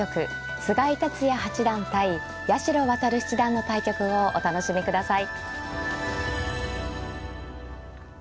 菅井竜也八段対八代弥七段の対局をお楽しみください。